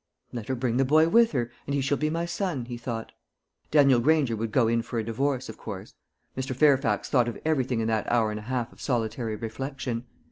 "Let her bring the boy with her, and he shall be my son," he thought. Daniel Granger would go in for a divorce, of course. Mr. Fairfax thought of everything in that hour and a half of solitary reflection.